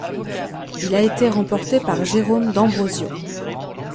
Il a été remporté par Jérôme d'Ambrosio.